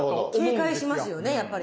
警戒しますよねやっぱり。